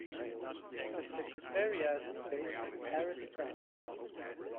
The Secretariat is based in Paris, France.